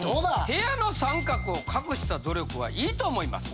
「部屋の三角を隠した努力は良いと思います」。